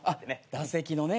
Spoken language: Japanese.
打席のね。